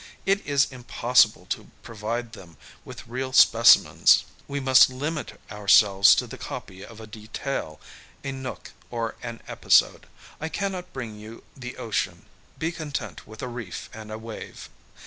It is impossible to provide them with real speci mens ; we must limit ourselves to the copy of a detail, a nook, or an episode. I cannot bring you the ocean, be content with a reef and a wave.